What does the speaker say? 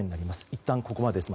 いったん、ここまでです。